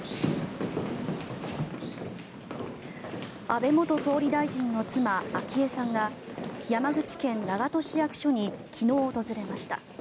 安倍元総理大臣の妻昭恵さんが山口県長門市役所に昨日、訪れました。